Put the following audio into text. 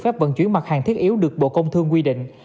phép vận chuyển mặt hàng thiết yếu được bộ công thương quy định